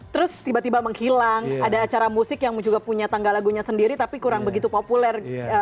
terus tiba tiba menghilang ada acara musik yang juga punya tanggal lagunya sendiri tapi kurang begitu populer